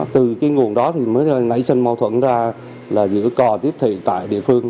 từ cái nguồn đó thì mới nảy sinh mâu thuẫn ra là giữ cò tiếp thị tại địa phương